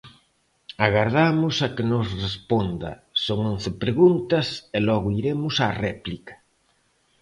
Agardamos a que nos responda, son once preguntas, e logo iremos á réplica.